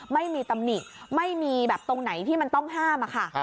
ไม่มีตำหนิไม่มีแบบตรงไหนที่มันต้องห้ามอะค่ะ